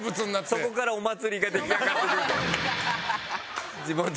そこからお祭りが出来上がってくる地元の。